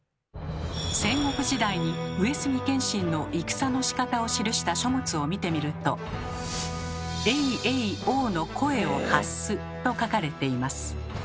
戦国時代に上杉謙信の戦のしかたを記した書物を見てみると「曳々応の声を発す」と書かれています。